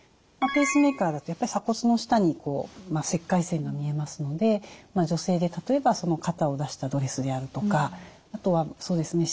ペースメーカーだとやっぱり鎖骨の下に切開線が見えますので女性で例えば肩を出したドレスであるとかあとはそうですね